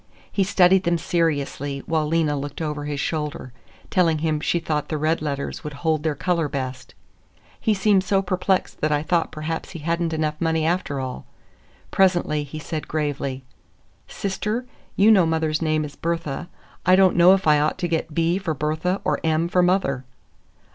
He studied them seriously, while Lena looked over his shoulder, telling him she thought the red letters would hold their color best. He seemed so perplexed that I thought perhaps he had n't enough money, after all. Presently he said gravely,— "Sister, you know mother's name is Berthe. I don't know if I ought to get B for Berthe, or M for Mother."